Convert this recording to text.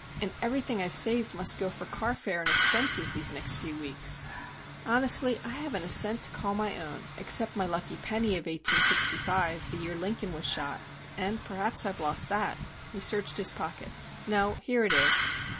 And everything I've saved must go for car fare and expenses these next few weeks. Honestly, I haven't a cent to call my own, except my lucky penny of 1865, the year Lincoln was shot. And perhaps I've lost that." He searched his pockets. "No,—here it is."